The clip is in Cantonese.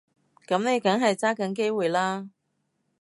噉你梗係揸緊機會啦